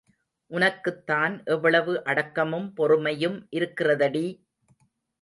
உனக்குத்தான் எவ்வளவு அடக்கமும் பொறுமையும் இருக்கிறதடி!